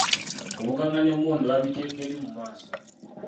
Obuganga n'emmundu babiteeka eri mu maaso.